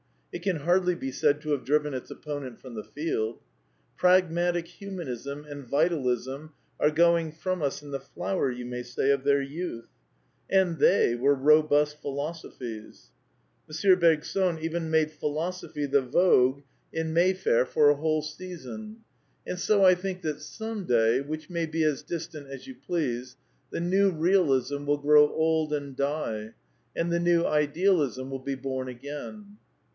It can hardly be said to have driven its opponent from the field. Pragmatic Humanism and Vitalism are going from us in the flower, you may say, of their youth. And they were robust philosophies. M. Bergson even made Philosophy the vogue in Mayfaii V 1 vi INTRODUCTION for a whole season. And so I think that some day (which may be as distant as you please) the New Eealism will grow old and die, and the New Idealism will be bom again.